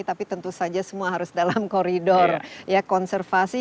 tapi tentu saja semua harus dalam koridor konservasi